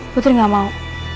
putri gak mau